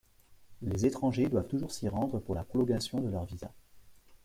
Les étrangers doivent toujours s'y rendre pour la prolongation de leur visa.